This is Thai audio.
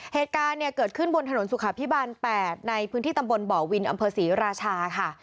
เหตุการณ์เนี่ยเกิดขึ้นบนถนนสุขภิบาล๘ในพื้นที่ตำบลบ่อวินอำเภอศรีราชาค่ะ